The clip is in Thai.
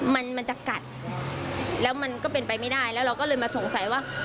มันมันจะกัดแล้วมันก็เป็นไปไม่ได้แล้วเราก็เลยมาสงสัยว่า